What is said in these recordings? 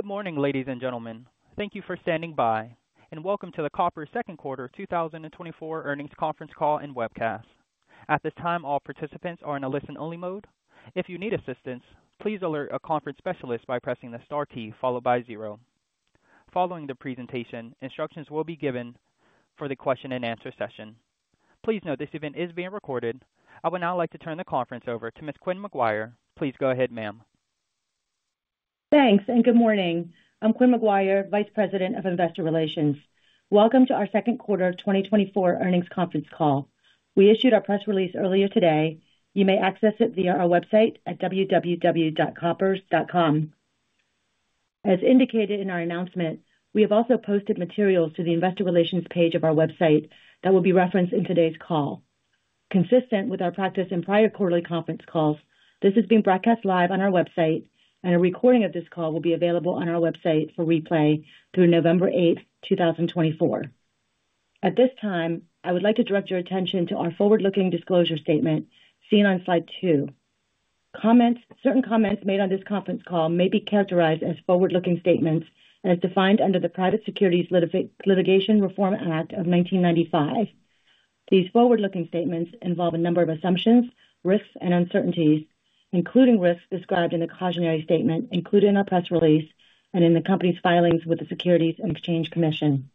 Good morning, ladies and gentlemen. Thank you for standing by, and welcome to the Koppers second quarter 2024 earnings conference call and webcast. At this time, all participants are in a listen-only mode. If you need assistance, please alert a conference specialist by pressing the star key followed by zero. Following the presentation, instructions will be given for the question and answer session. Please note this event is being recorded. I would now like to turn the conference over to Ms. Quinn McGuire. Please go ahead, ma'am. Thanks, and good morning. I'm Quinn McGuire, Vice President of Investor Relations. Welcome to our second quarter 2024 earnings conference call. We issued our press release earlier today. You may access it via our website at www.koppers.com. As indicated in our announcement, we have also posted materials to the investor relations page of our website that will be referenced in today's call. Consistent with our practice in prior quarterly conference calls, this is being broadcast live on our website, and a recording of this call will be available on our website for replay through November 8, 2024. At this time, I would like to direct your attention to our forward-looking disclosure statement seen on slide 2. Comments... Certain comments made on this conference call may be characterized as forward-looking statements and as defined under the Private Securities Litigation Reform Act of 1995. These forward-looking statements involve a number of assumptions, risks and uncertainties, including risks described in the cautionary statement included in our press release and in the company's filings with the Securities and Exchange Commission.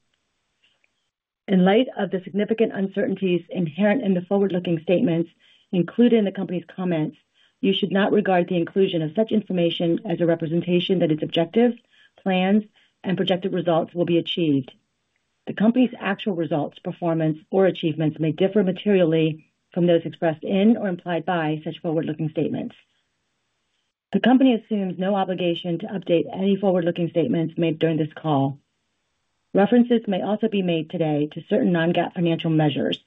In light of the significant uncertainties inherent in the forward-looking statements included in the company's comments, you should not regard the inclusion of such information as a representation that its objective, plans, and projected results will be achieved. The company's actual results, performance, or achievements may differ materially from those expressed in or implied by such forward-looking statements. The company assumes no obligation to update any forward-looking statements made during this call. References may also be made today to certain non-GAAP financial measures.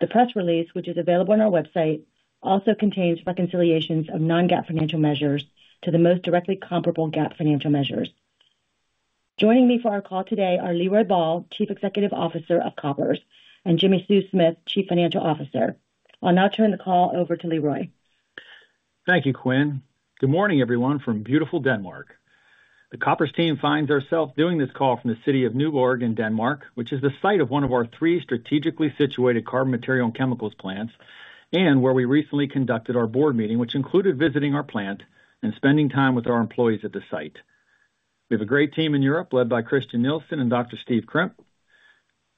The press release, which is available on our website, also contains reconciliations of non-GAAP financial measures to the most directly comparable GAAP financial measures. Joining me for our call today are Leroy Ball, Chief Executive Officer of Koppers, and Jimmi Sue Smith, Chief Financial Officer. I'll now turn the call over to Leroy. Thank you, Quinn. Good morning, everyone from beautiful Denmark. The Koppers team finds ourselves doing this call from the city of Nyborg in Denmark, which is the site of one of our three strategically situated carbon material and chemicals plants, and where we recently conducted our board meeting, which included visiting our plant and spending time with our employees at the site. We have a great team in Europe, led by Christian Nielsen and Dr. Steve Crimp.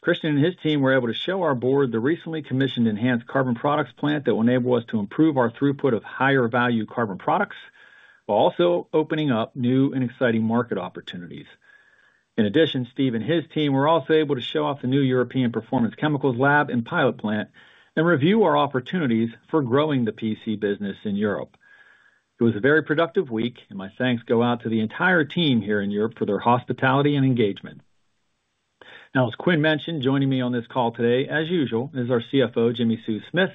Christian and his team were able to show our board the recently commissioned enhanced carbon products plant that will enable us to improve our throughput of higher value carbon products, while also opening up new and exciting market opportunities. In addition, Steve and his team were also able to show off the new European Performance Chemicals lab and pilot plant and review our opportunities for growing the PC business in Europe. It was a very productive week, and my thanks go out to the entire team here in Europe for their hospitality and engagement. Now, as Quinn mentioned, joining me on this call today, as usual, is our CFO, Jimmi Sue Smith,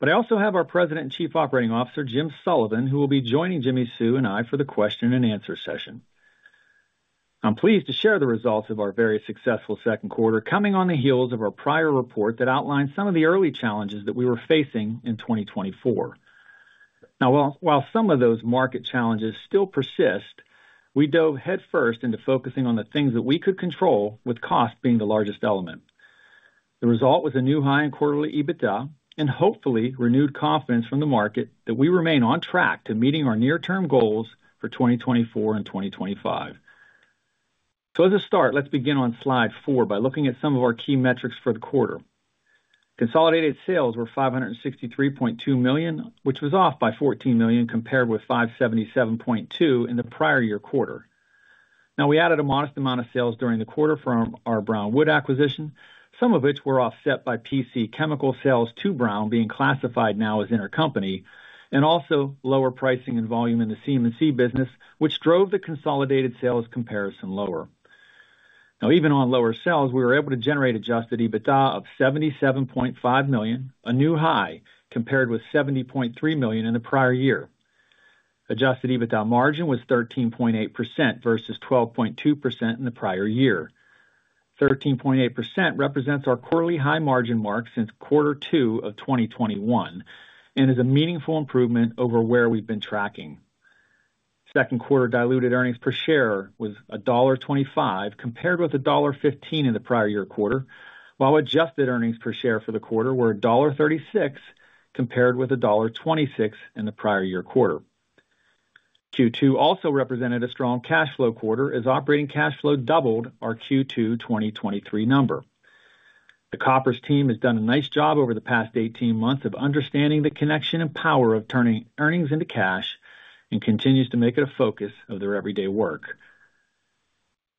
but I also have our President and Chief Operating Officer, Jim Sullivan, who will be joining Jimmi Sue and I for the question and answer session. I'm pleased to share the results of our very successful second quarter, coming on the heels of our prior report that outlined some of the early challenges that we were facing in 2024. Now, while some of those market challenges still persist, we dove headfirst into focusing on the things that we could control, with cost being the largest element. The result was a new high in quarterly EBITDA and hopefully renewed confidence from the market that we remain on track to meeting our near-term goals for 2024 and 2025. So as a start, let's begin on slide 4 by looking at some of our key metrics for the quarter. Consolidated sales were $563.2 million, which was off by $14 million, compared with $577.2 million in the prior year quarter. Now, we added a modest amount of sales during the quarter from our Brown Wood acquisition, some of which were offset by PC chemical sales to Brown, being classified now as intercompany, and also lower pricing and volume in the CMC business, which drove the consolidated sales comparison lower. Now, even on lower sales, we were able to generate adjusted EBITDA of $77.5 million, a new high, compared with $70.3 million in the prior year. Adjusted EBITDA margin was 13.8% versus 12.2% in the prior year. 13.8% represents our quarterly high margin mark since quarter two of 2021 and is a meaningful improvement over where we've been tracking. Second quarter diluted earnings per share was $1.25, compared with $1.15 in the prior year quarter, while adjusted earnings per share for the quarter were $1.36, compared with $1.26 in the prior year quarter. Q2 also represented a strong cash flow quarter as operating cash flow doubled our Q2 2023 number. The Koppers team has done a nice job over the past 18 months of understanding the connection and power of turning earnings into cash and continues to make it a focus of their everyday work.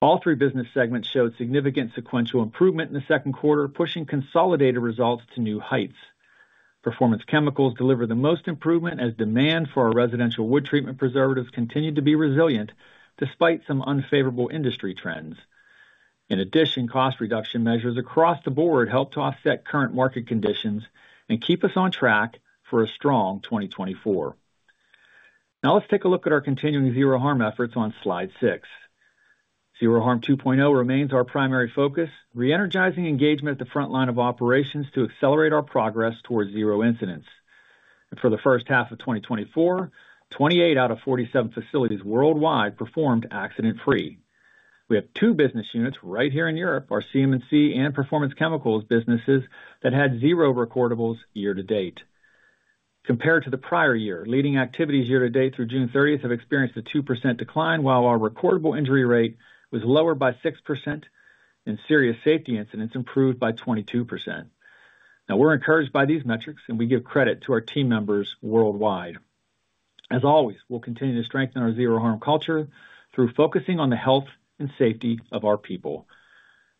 All three business segments showed significant sequential improvement in the second quarter, pushing consolidated results to new heights. Performance Chemicals delivered the most improvement as demand for our residential wood treatment preservatives continued to be resilient despite some unfavorable industry trends. In addition, cost reduction measures across the board helped to offset current market conditions and keep us on track for a strong 2024. Now, let's take a look at our continuing Zero Harm efforts on slide 6.... Zero Harm 2.0 remains our primary focus, re-energizing engagement at the front line of operations to accelerate our progress towards zero incidents. For the first half of 2024, 28 out of 47 facilities worldwide performed accident-free. We have two business units right here in Europe, our CM&C and Performance Chemicals businesses, that had zero recordables year-to-date. Compared to the prior year, leading activities year-to-date through June 30 have experienced a 2% decline, while our recordable injury rate was lower by 6%, and serious safety incidents improved by 22%. Now, we're encouraged by these metrics, and we give credit to our team members worldwide. As always, we'll continue to strengthen our Zero Harm culture through focusing on the health and safety of our people.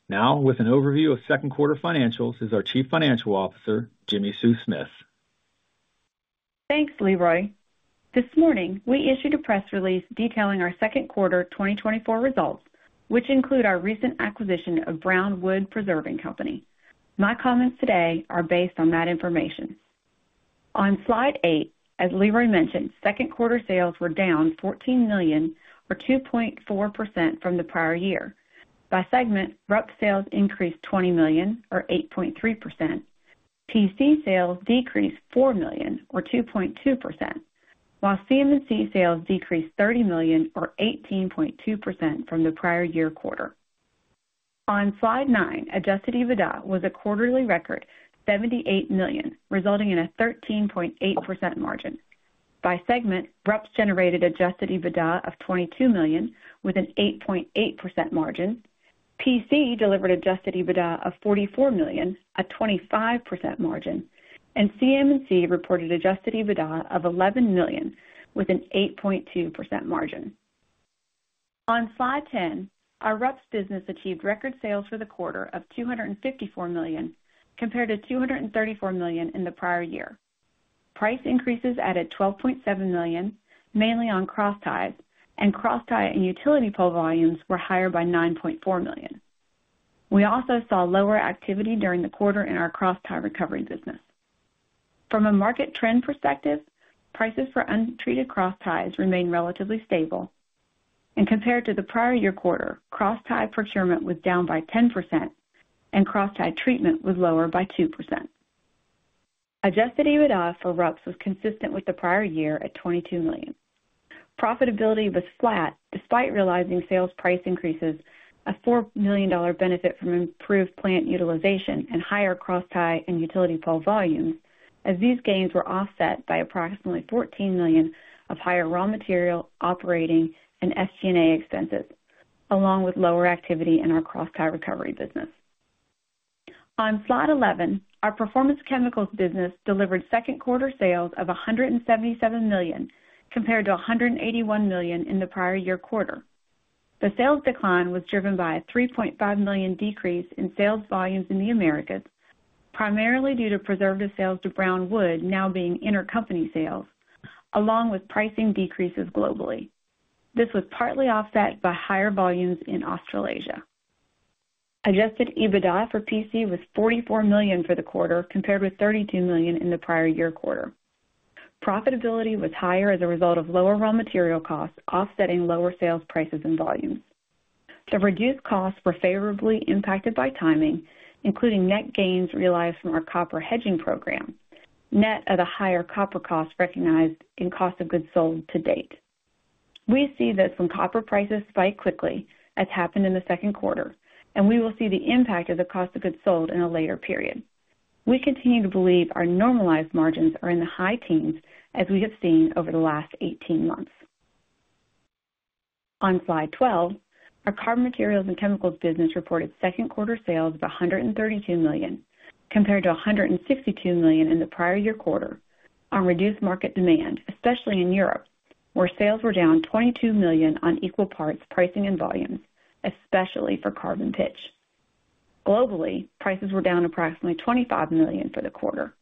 Now, with an overview of second quarter financials is our Chief Financial Officer, Jimmi Sue Smith. Thanks, Leroy. This morning, we issued a press release detailing our second quarter 2024 results, which include our recent acquisition of Brown Wood Preserving Company. My comments today are based on that information. On slide 8, as Leroy mentioned, second quarter sales were down $14 million, or 2.4% from the prior year. By segment, RUPS sales increased $20 million, or 8.3%. PC sales decreased $4 million, or 2.2%, while CM&C sales decreased $30 million or 18.2% from the prior year quarter. On slide 9, adjusted EBITDA was a quarterly record, $78 million, resulting in a 13.8% margin. By segment, RUPS generated adjusted EBITDA of $22 million, with an 8.8% margin. PC delivered adjusted EBITDA of $44 million, a 25% margin, and CM&C reported adjusted EBITDA of $11 million, with an 8.2% margin. On slide 10, our RUPS business achieved record sales for the quarter of $254 million, compared to $234 million in the prior year. Price increases added $12.7 million, mainly on crossties, and crosstie and utility pole volumes were higher by $9.4 million. We also saw lower activity during the quarter in our crosstie recovery business. From a market trend perspective, prices for untreated crossties remained relatively stable, and compared to the prior year quarter, crosstie procurement was down by 10%, and crosstie treatment was lower by 2%. Adjusted EBITDA for RUPS was consistent with the prior year at $22 million. Profitability was flat despite realizing sales price increases, a $4 million benefit from improved plant utilization and higher crosstie and utility pole volumes, as these gains were offset by approximately $14 million of higher raw material, operating, and SG&A expenses, along with lower activity in our crosstie recovery business. On slide 11, our Performance Chemicals business delivered second quarter sales of $177 million, compared to $181 million in the prior year quarter. The sales decline was driven by a $3.5 million decrease in sales volumes in the Americas, primarily due to preservative sales to Brown Wood now being intercompany sales, along with pricing decreases globally. This was partly offset by higher volumes in Australasia. Adjusted EBITDA for PC was $44 million for the quarter, compared with $32 million in the prior year quarter. Profitability was higher as a result of lower raw material costs, offsetting lower sales prices and volumes. The reduced costs were favorably impacted by timing, including net gains realized from our copper hedging program, net at a higher copper cost recognized in cost of goods sold to date. We see that when copper prices spike quickly, as happened in the second quarter, and we will see the impact of the cost of goods sold in a later period. We continue to believe our normalized margins are in the high teens, as we have seen over the last 18 months. On slide 12, our Carbon Materials and Chemicals business reported second quarter sales of $132 million, compared to $162 million in the prior year quarter on reduced market demand, especially in Europe, where sales were down $22 million on equal parts, pricing and volumes, especially for carbon pitch. Globally, prices were down approximately $25 million for the quarter.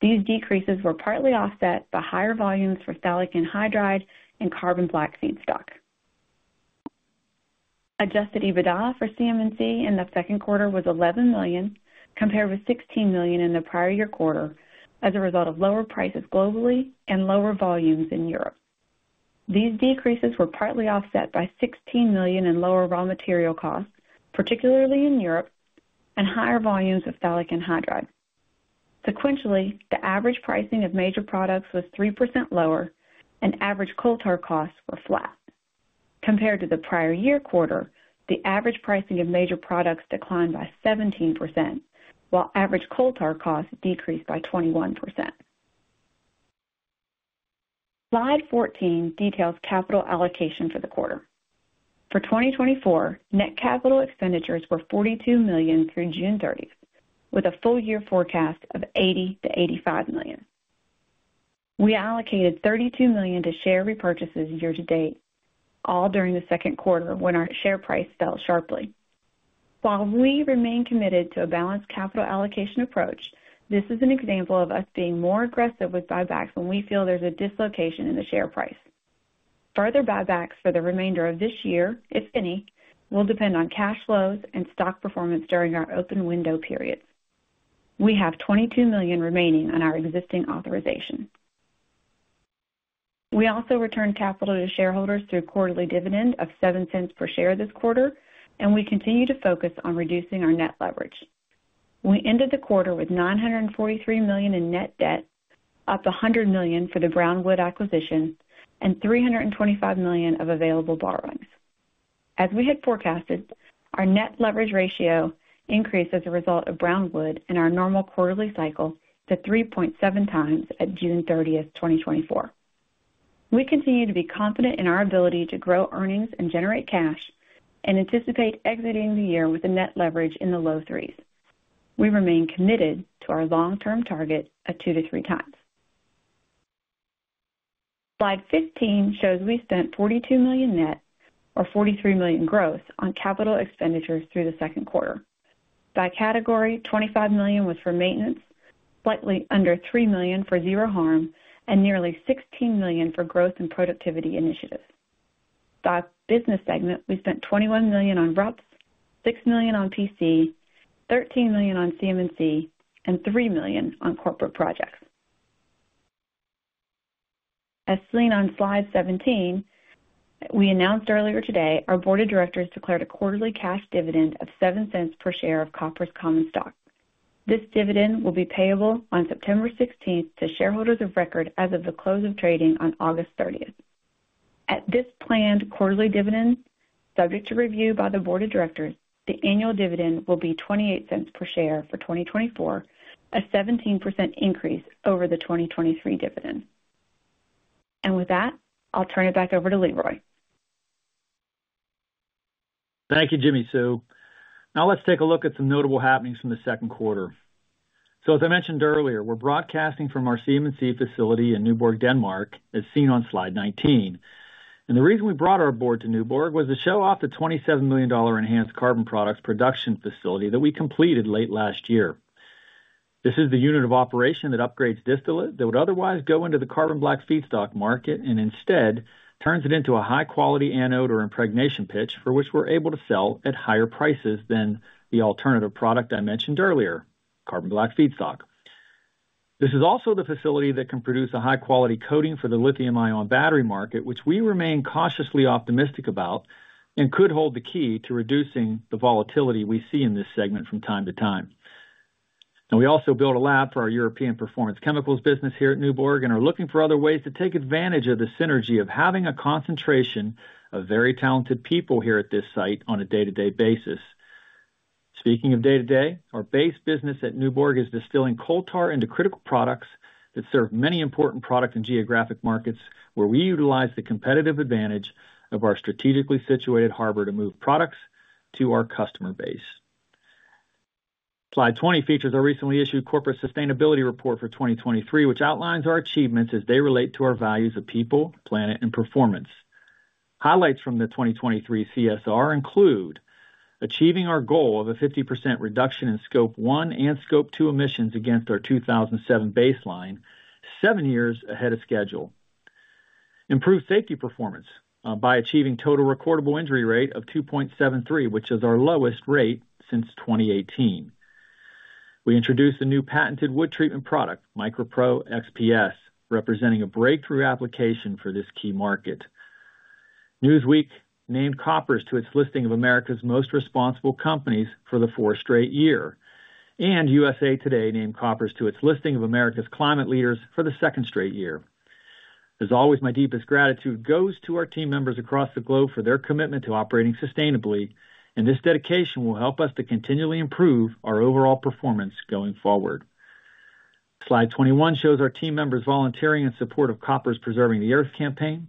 These decreases were partly offset by higher volumes for phthalic anhydride and carbon black feedstock. Adjusted EBITDA for CM&C in the second quarter was $11 million, compared with $16 million in the prior year quarter, as a result of lower prices globally and lower volumes in Europe. These decreases were partly offset by $16 million in lower raw material costs, particularly in Europe, and higher volumes of phthalic anhydride. Sequentially, the average pricing of major products was 3% lower, and average coal tar costs were flat. Compared to the prior year quarter, the average pricing of major products declined by 17%, while average coal tar costs decreased by 21%. Slide 14 details capital allocation for the quarter. For 2024, net capital expenditures were $42 million through June 30, with a full year forecast of $80 million-$85 million. We allocated $32 million to share repurchases year to date, all during the second quarter when our share price fell sharply. While we remain committed to a balanced capital allocation approach, this is an example of us being more aggressive with buybacks when we feel there's a dislocation in the share price. Further buybacks for the remainder of this year, if any, will depend on cash flows and stock performance during our open window periods. We have $22 million remaining on our existing authorization. We also returned capital to shareholders through a quarterly dividend of $0.07 per share this quarter, and we continue to focus on reducing our net leverage. We ended the quarter with $943 million in net debt, up $100 million for the Brown Wood acquisition, and $325 million of available borrowings. As we had forecasted, our net leverage ratio increased as a result of Brown Wood and our normal quarterly cycle to 3.7 times at June 30, 2024. We continue to be confident in our ability to grow earnings and generate cash, and anticipate exiting the year with a net leverage in the low 3s. We remain committed to our long-term target of 2-3 times. Slide 15 shows we spent $42 million net, or $43 million gross, on capital expenditures through the second quarter. By category, $25 million was for maintenance, slightly under $3 million for Zero Harm, and nearly $16 million for growth and productivity initiatives. By business segment, we spent $21 million on RUPS, $6 million on PC, $13 million on CM&C, and $3 million on corporate projects. As seen on Slide 17, we announced earlier today, our board of directors declared a quarterly cash dividend of $0.07 per share of Koppers common stock. This dividend will be payable on September 16 to shareholders of record as of the close of trading on August 30. At this planned quarterly dividend, subject to review by the board of directors, the annual dividend will be $0.28 per share for 2024, a 17% increase over the 2023 dividend. With that, I'll turn it back over to Leroy. Thank you, Jimmy Sue. Now let's take a look at some notable happenings from the second quarter. So as I mentioned earlier, we're broadcasting from our CM&C facility in Nyborg, Denmark, as seen on slide 19. The reason we brought our board to Nyborg was to show off the $27 million enhanced carbon products production facility that we completed late last year. This is the unit of operation that upgrades distillate that would otherwise go into the carbon black feedstock market, and instead turns it into a high-quality anode or impregnation pitch, for which we're able to sell at higher prices than the alternative product I mentioned earlier, carbon black feedstock. This is also the facility that can produce a high-quality coating for the lithium-ion battery market, which we remain cautiously optimistic about and could hold the key to reducing the volatility we see in this segment from time to time. We also built a lab for our European Performance Chemicals business here at Nyborg and are looking for other ways to take advantage of the synergy of having a concentration of very talented people here at this site on a day-to-day basis. Speaking of day-to-day, our base business at Nyborg is distilling coal tar into critical products that serve many important products and geographic markets, where we utilize the competitive advantage of our strategically situated harbor to move products to our customer base. Slide 20 features our recently issued Corporate Sustainability Report for 2023, which outlines our achievements as they relate to our values of people, planet, and performance. Highlights from the 2023 CSR include achieving our goal of a 50% reduction in Scope 1 and Scope 2 emissions against our 2007 baseline, 7 years ahead of schedule. Improved safety performance by achieving total recordable injury rate of 2.73, which is our lowest rate since 2018. We introduced a new patented wood treatment product, MicroPro XPS, representing a breakthrough application for this key market. Newsweek named Koppers to its listing of America's Most Responsible Companies for the fourth straight year, and USA TODAY named Koppers to its listing of America's Climate Leaders for the second straight year. As always, my deepest gratitude goes to our team members across the globe for their commitment to operating sustainably, and this dedication will help us to continually improve our overall performance going forward. Slide 21 shows our team members volunteering in support of Koppers' Preserving the Earth campaign.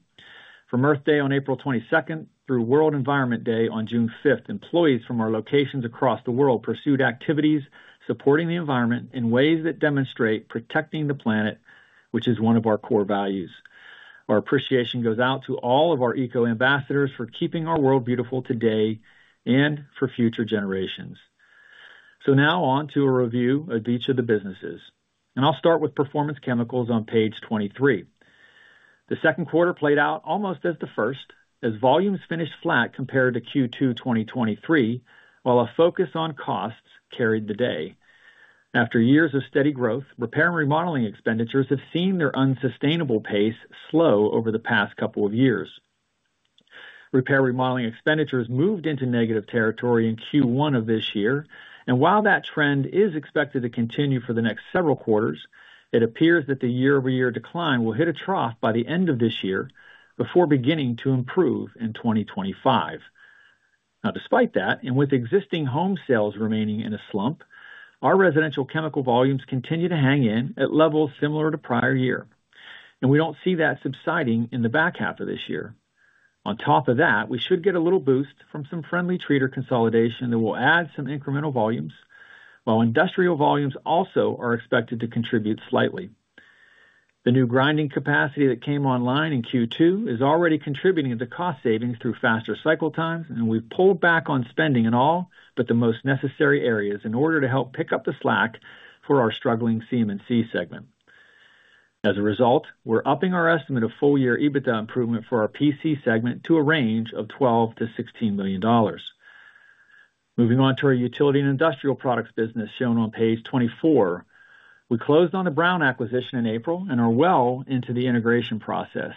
From Earth Day on April 22 through World Environment Day on June 5, employees from our locations across the world pursued activities supporting the environment in ways that demonstrate protecting the planet, which is one of our core values. Our appreciation goes out to all of our eco ambassadors for keeping our world beautiful today and for future generations. Now on to a review of each of the businesses, and I'll start with Performance Chemicals on page 23. The second quarter played out almost as the first, as volumes finished flat compared to Q2 2023, while a focus on costs carried the day. After years of steady growth, repair and remodeling expenditures have seen their unsustainable pace slow over the past couple of years. Repair/remodeling expenditures moved into negative territory in Q1 of this year, and while that trend is expected to continue for the next several quarters, it appears that the year-over-year decline will hit a trough by the end of this year before beginning to improve in 2025. Now, despite that, and with existing home sales remaining in a slump, our residential chemical volumes continue to hang in at levels similar to prior year, and we don't see that subsiding in the back half of this year. On top of that, we should get a little boost from some friendly treater consolidation that will add some incremental volumes, while industrial volumes also are expected to contribute slightly. The new grinding capacity that came online in Q2 is already contributing to cost savings through faster cycle times, and we've pulled back on spending in all but the most necessary areas in order to help pick up the slack for our struggling CM&C segment. As a result, we're upping our estimate of full-year EBITDA improvement for our PC segment to a range of $12 million-$16 million. Moving on to our Utility and Industrial products business, shown on page 24. We closed on the Brown acquisition in April and are well into the integration process.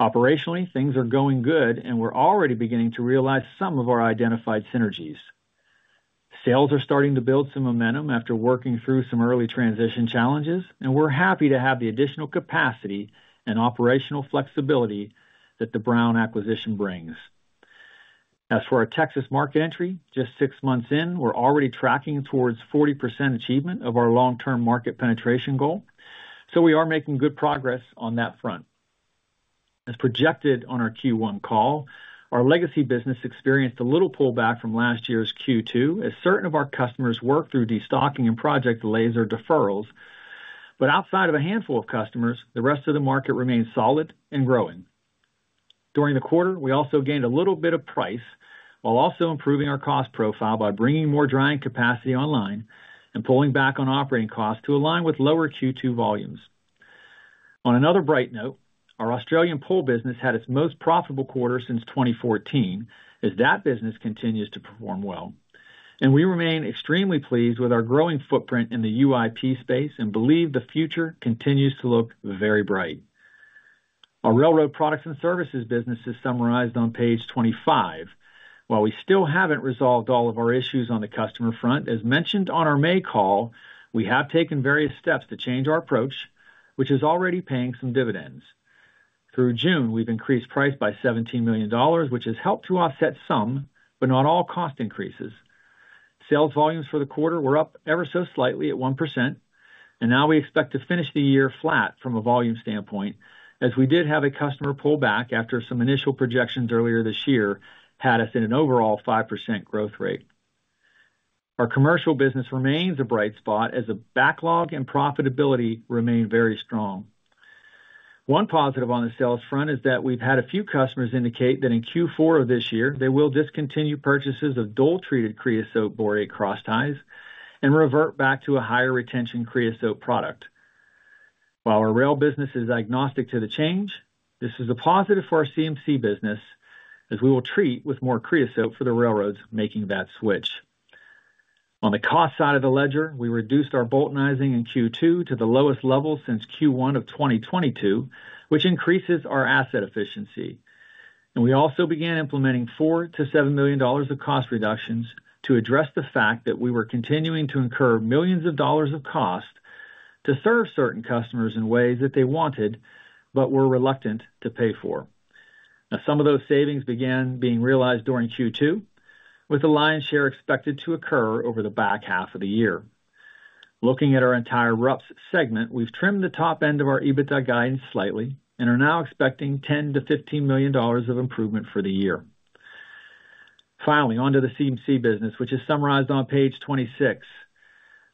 Operationally, things are going good, and we're already beginning to realize some of our identified synergies. Sales are starting to build some momentum after working through some early transition challenges, and we're happy to have the additional capacity and operational flexibility that the Brown acquisition brings. As for our Texas market entry, just 6 months in, we're already tracking towards 40% achievement of our long-term market penetration goal, so we are making good progress on that front. As projected on our Q1 call, our legacy business experienced a little pullback from last year's Q2 as certain of our customers worked through destocking and project delays or deferrals. But outside of a handful of customers, the rest of the market remains solid and growing. During the quarter, we also gained a little bit of price while also improving our cost profile by bringing more drying capacity online and pulling back on operating costs to align with lower Q2 volumes. On another bright note, our Australian pole business had its most profitable quarter since 2014, as that business continues to perform well. We remain extremely pleased with our growing footprint in the UIP space and believe the future continues to look very bright. Our Railroad Products and Services business is summarized on page 25. While we still haven't resolved all of our issues on the customer front, as mentioned on our May call, we have taken various steps to change our approach, which is already paying some dividends. Through June, we've increased price by $17 million, which has helped to offset some, but not all, cost increases. Sales volumes for the quarter were up ever so slightly at 1%, and now we expect to finish the year flat from a volume standpoint, as we did have a customer pull back after some initial projections earlier this year had us in an overall 5% growth rate. Our commercial business remains a bright spot as the backlog and profitability remain very strong. One positive on the sales front is that we've had a few customers indicate that in Q4 of this year, they will discontinue purchases of dual-treated creosote-borate crossties and revert back to a higher retention creosote product. While our rail business is agnostic to the change, this is a positive for our CMC business, as we will treat with more creosote for the railroads making that switch. On the cost side of the ledger, we reduced our Boultonizing in Q2 to the lowest level since Q1 of 2022, which increases our asset efficiency. We also began implementing $4 million-$7 million of cost reductions to address the fact that we were continuing to incur millions of dollars of costs to serve certain customers in ways that they wanted, but were reluctant to pay for. Now, some of those savings began being realized during Q2, with the lion's share expected to occur over the back half of the year. Looking at our entire RUPS segment, we've trimmed the top end of our EBITDA guidance slightly and are now expecting $10 million-$15 million of improvement for the year. Finally, on to the CMC business, which is summarized on page 26.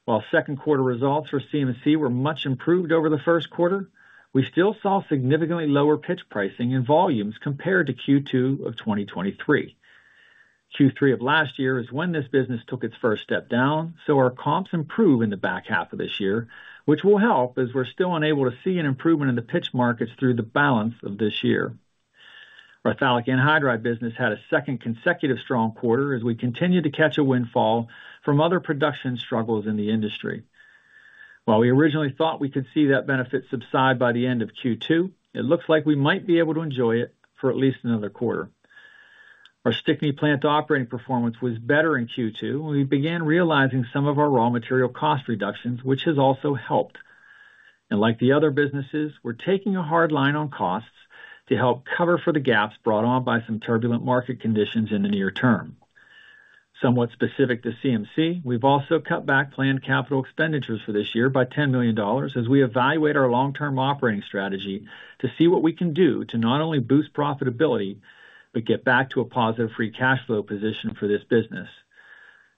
While second quarter results for CMC were much improved over the first quarter, we still saw significantly lower pitch pricing and volumes compared to Q2 of 2023. Q3 of last year is when this business took its first step down, so our comps improve in the back half of this year, which will help as we're still unable to see an improvement in the pitch markets through the balance of this year. Our phthalic anhydride business had a second consecutive strong quarter as we continued to catch a windfall from other production struggles in the industry. While we originally thought we could see that benefit subside by the end of Q2, it looks like we might be able to enjoy it for at least another quarter. Our Stickney plant operating performance was better in Q2, and we began realizing some of our raw material cost reductions, which has also helped. And like the other businesses, we're taking a hard line on costs to help cover for the gaps brought on by some turbulent market conditions in the near term. Somewhat specific to CMC, we've also cut back planned capital expenditures for this year by $10 million as we evaluate our long-term operating strategy to see what we can do to not only boost profitability, but get back to a positive free cash flow position for this business.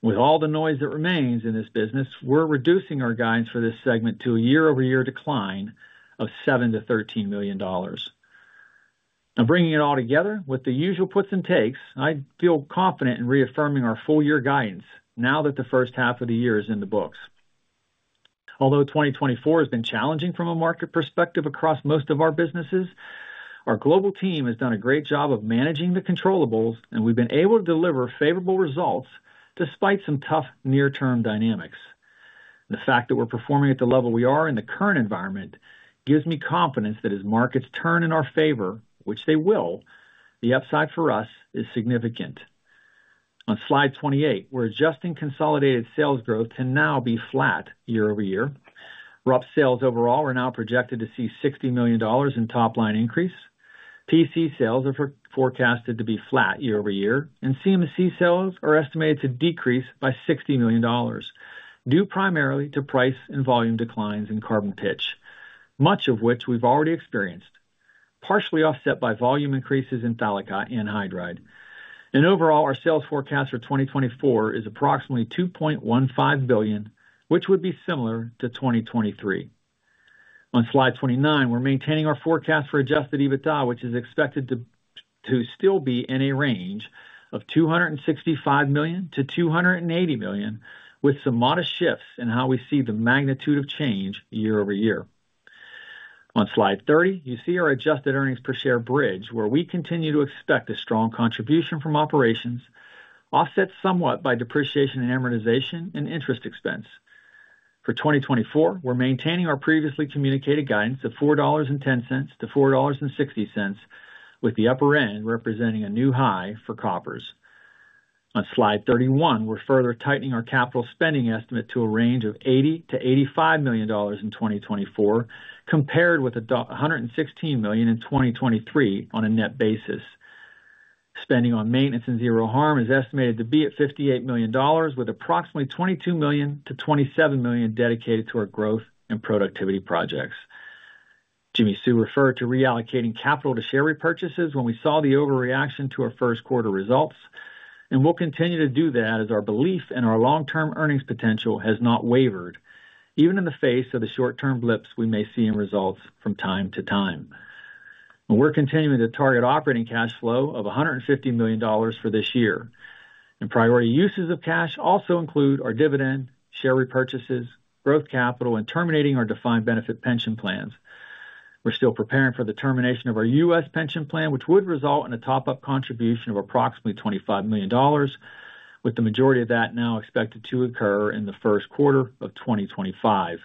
With all the noise that remains in this business, we're reducing our guidance for this segment to a year-over-year decline of $7 million-$13 million. Now, bringing it all together, with the usual puts and takes, I feel confident in reaffirming our full year guidance now that the first half of the year is in the books. Although 2024 has been challenging from a market perspective across most of our businesses, our global team has done a great job of managing the controllables, and we've been able to deliver favorable results despite some tough near-term dynamics. The fact that we're performing at the level we are in the current environment gives me confidence that as markets turn in our favor, which they will, the upside for us is significant. On slide 28, we're adjusting consolidated sales growth to now be flat year-over-year. RUPS sales overall are now projected to see $60 million in top line increase. PC sales are forecasted to be flat year-over-year, and CMC sales are estimated to decrease by $60 million, due primarily to price and volume declines in carbon pitch, much of which we've already experienced, partially offset by volume increases in phthalic anhydride. Overall, our sales forecast for 2024 is approximately $2.15 billion, which would be similar to 2023. On slide 29, we're maintaining our forecast for adjusted EBITDA, which is expected to still be in a range of $265 million-$280 million, with some modest shifts in how we see the magnitude of change year-over-year. On slide 30, you see our adjusted earnings per share bridge, where we continue to expect a strong contribution from operations, offset somewhat by depreciation and amortization and interest expense. For 2024, we're maintaining our previously communicated guidance of $4.10-$4.60, with the upper end representing a new high for Koppers. On Slide 31, we're further tightening our capital spending estimate to a range of $80 million-$85 million in 2024, compared with a hundred and sixteen million in 2023 on a net basis. Spending on maintenance and Zero Harm is estimated to be at $58 million, with approximately $22 million-$27 million dedicated to our growth and productivity projects. Jimmy Sue referred to reallocating capital to share repurchases when we saw the overreaction to our first quarter results, and we'll continue to do that as our belief in our long-term earnings potential has not wavered, even in the face of the short-term blips we may see in results from time to time. We're continuing to target operating cash flow of $150 million for this year. Priority uses of cash also include our dividend, share repurchases, growth capital, and terminating our defined benefit pension plans. We're still preparing for the termination of our U.S. pension plan, which would result in a top-up contribution of approximately $25 million, with the majority of that now expected to occur in the first quarter of 2025.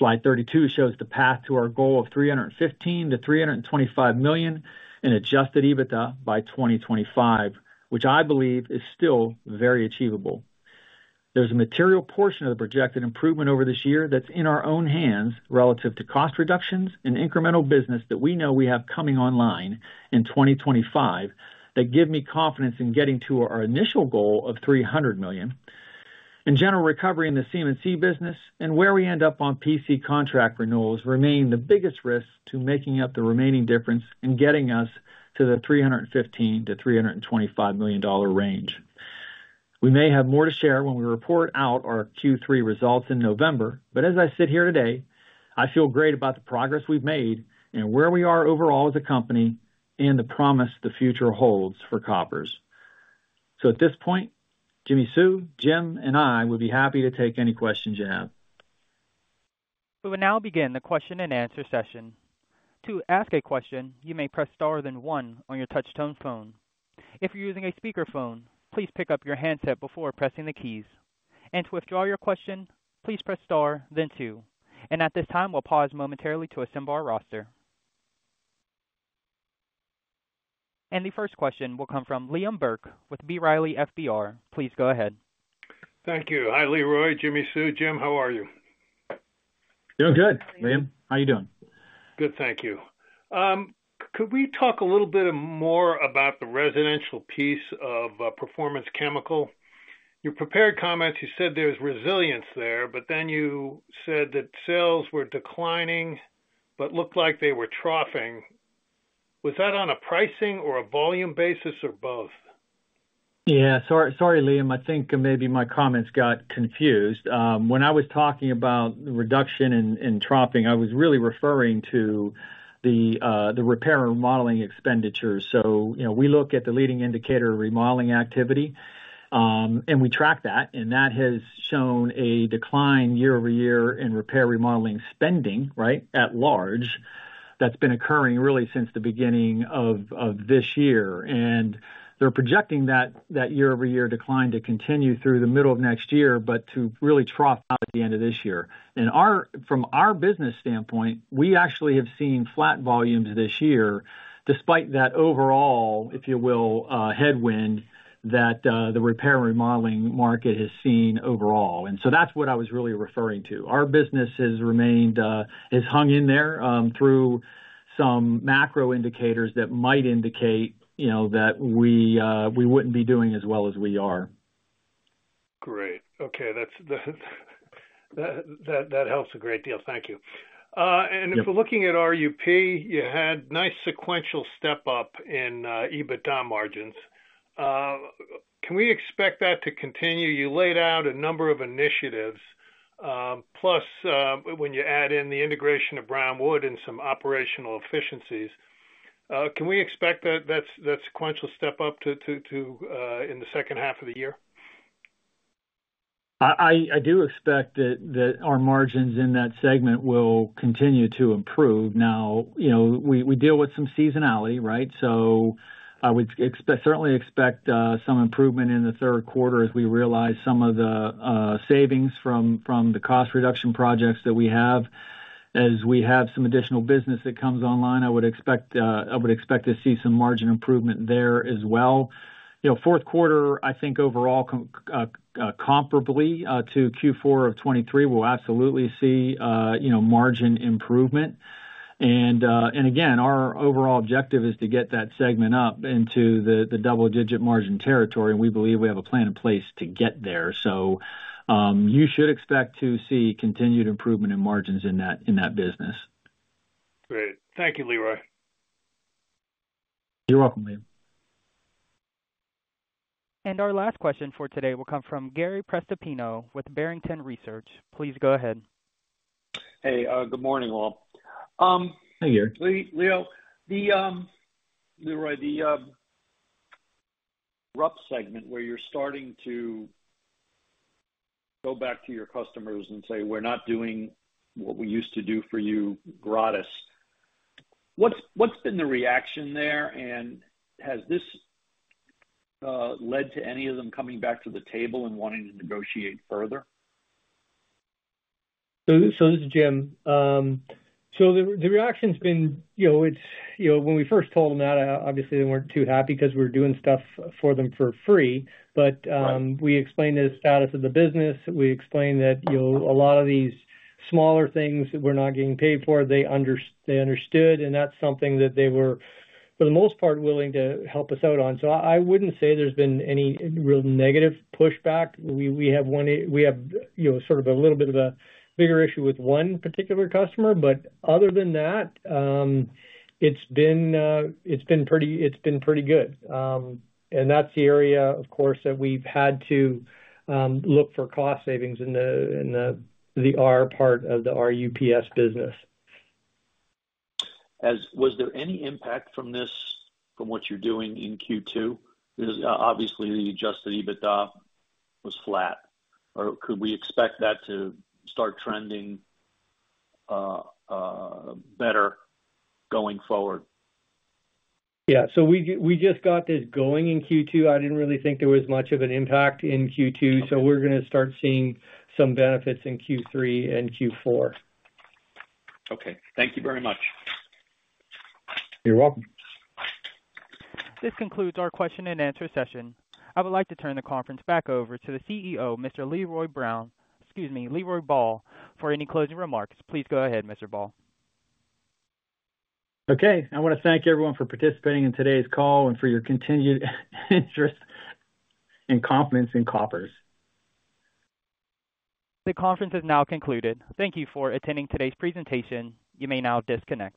Slide 32 shows the path to our goal of $315 million-$325 million in Adjusted EBITDA by 2025, which I believe is still very achievable. There's a material portion of the projected improvement over this year that's in our own hands, relative to cost reductions and incremental business that we know we have coming online in 2025, that give me confidence in getting to our initial goal of $300 million. In general, recovery in the CM&C business and where we end up on PC contract renewals remain the biggest risk to making up the remaining difference and getting us to the $315 million-$325 million range. We may have more to share when we report out our Q3 results in November, but as I sit here today, I feel great about the progress we've made and where we are overall as a company and the promise the future holds for Koppers. At this point, Jimmy Sue, Jim, and I would be happy to take any questions you have. We will now begin the question-and-answer session. To ask a question, you may press star, then one on your touchtone phone. If you're using a speakerphone, please pick up your handset before pressing the keys. To withdraw your question, please press star then two. At this time, we'll pause momentarily to assemble our roster. The first question will come from Liam Burke with B. Riley FBR. Please go ahead. Thank you. Hi, Leroy, Jimmy Sue. Jim, how are you? Doing good, Liam. How are you doing? Good, thank you. Could we talk a little bit more about the residential piece of Performance Chemicals? Your prepared comments, you said there's resilience there, but then you said that sales were declining but looked like they were troughing. Was that on a pricing or a volume basis or both? Yeah, sorry, Liam, I think maybe my comments got confused. When I was talking about reduction in troughing, I was really referring to the repair and remodeling expenditures. So, you know, we look at the leading indicator of remodeling activity, and we track that, and that has shown a decline year-over-year in repair remodeling spending, right, at large, that's been occurring really since the beginning of this year. And they're projecting that year-over-year decline to continue through the middle of next year, but to really trough out at the end of this year. And from our business standpoint, we actually have seen flat volumes this year, despite that overall, if you will, the repair remodeling market has seen overall. And so that's what I was really referring to. Our business has remained, has hung in there, through some macro indicators that might indicate, you know, that we, we wouldn't be doing as well as we are. Great. Okay, that helps a great deal. Thank you. Yeah. - And if we're looking at RUP, you had nice sequential step up in EBITDA margins. Can we expect that to continue? You laid out a number of initiatives, plus, when you add in the integration of Brown Wood and some operational efficiencies, can we expect that sequential step up to in the second half of the year? I do expect that our margins in that segment will continue to improve. Now, you know, we deal with some seasonality, right? So I would certainly expect some improvement in the third quarter as we realize some of the savings from the cost reduction projects that we have. As we have some additional business that comes online, I would expect, I would expect to see some margin improvement there as well. You know, fourth quarter, I think overall comparably to Q4 of 2023, we'll absolutely see margin improvement. And again, our overall objective is to get that segment up into the double-digit margin territory, and we believe we have a plan in place to get there. You should expect to see continued improvement in margins in that business. Great. Thank you, Leroy. You're welcome, Liam. Our last question for today will come from Gary Prestopino with Barrington Research. Please go ahead. Hey, good morning, all. Hey, Gary. Leroy, the rough segment where you're starting to go back to your customers and say, "We're not doing what we used to do for you gratis." What's been the reaction there, and has this led to any of them coming back to the table and wanting to negotiate further? So this is Jim. So the reaction's been, you know, it's, you know, when we first told them that, obviously, they weren't too happy because we were doing stuff for them for free. But we explained the status of the business, we explained that, you know, a lot of these smaller things that we're not getting paid for, they understood, and that's something that they were, for the most part, willing to help us out on. So I wouldn't say there's been any real negative pushback. We have one, you know, sort of a little bit of a bigger issue with one particular customer, but other than that, it's been pretty good. And that's the area, of course, that we've had to look for cost savings in the R part of the RUPS business. Was there any impact from this, from what you're doing in Q2? Because obviously, the Adjusted EBITDA was flat. Or could we expect that to start trending better going forward? Yeah. So we just got this going in Q2. I didn't really think there was much of an impact in Q2. Okay. We're gonna start seeing some benefits in Q3 and Q4. Okay. Thank you very much. You're welcome. This concludes our question and answer session. I would like to turn the conference back over to the CEO, Mr. Leroy Ball, excuse me, Leroy Ball, for any closing remarks. Please go ahead, Mr. Ball. Okay. I want to thank everyone for participating in today's call and for your continued interest and confidence in Koppers. The conference is now concluded. Thank you for attending today's presentation. You may now disconnect.